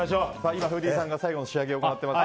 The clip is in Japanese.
今、フーディーさんが最後の仕上げを行っています。